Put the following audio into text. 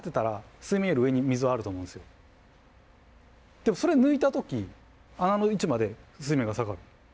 でもそれ抜いた時あの位置まで水面が下がる。